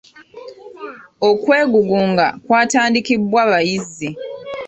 Okwegugunga kwatandikibwa bayizi.